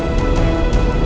li bangun li